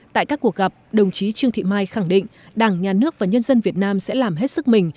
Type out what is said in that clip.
tại các cuộc gặp đồng chí trương thị mai khẳng định đảng nhà nước và nhân dân việt nam sẽ làm hết sức mình